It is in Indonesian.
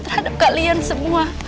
terhadap kalian semua